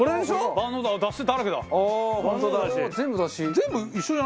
万能出汁だらけだ。